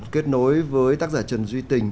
kết nối với tác giả trần duy tình